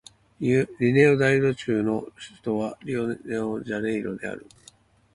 リオデジャネイロ州の州都はリオデジャネイロである